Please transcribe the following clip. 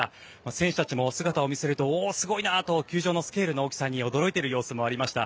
選手たちの姿を見てるとおお、すごいなと球場のスケールの大きさに驚いている様子もありました。